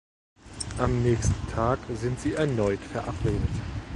Am nächsten Tag sind sie erneut verabredet.